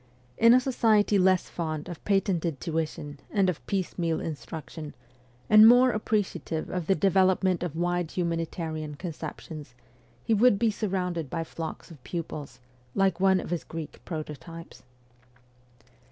In a society less fond of patented tuition and of piecemeal in struction, and more appreciative of the development of wide humanitarian conceptions, he would be sur rounded by flocks of pupils, like one of his Greek prototypes.